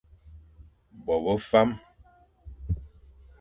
Bo be fam.